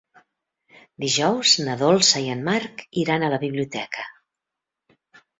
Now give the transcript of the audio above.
Dijous na Dolça i en Marc iran a la biblioteca.